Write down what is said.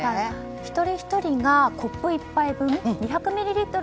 一人ひとりがコップ１杯分２００ミリリットル